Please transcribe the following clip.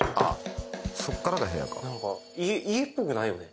家っぽくないよね